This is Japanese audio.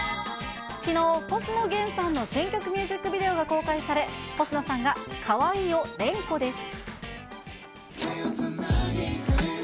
きのう、星野源さんの新曲ミュージックビデオが公開され、星野さんがかわいいを連呼です。